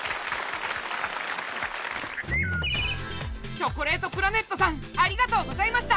チョコレートプラネットさんありがとうございました！